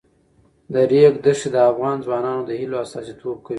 د ریګ دښتې د افغان ځوانانو د هیلو استازیتوب کوي.